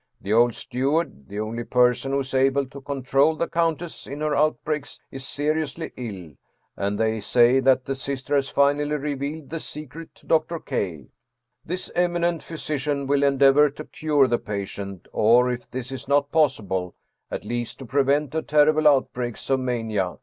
The old steward, the only person who is able to control the countess in her outbreaks, is seriously ill, and they say that the sister has finally revealed the secret to Dr. K. This eminent physician will endeavor to cure the patient, or if this is not possible, at least to prevent her terrible outbreaks of mania.